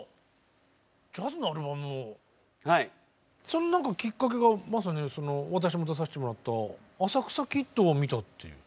その何かきっかけがまさに私も出させてもらった「浅草キッド」を見たっていう。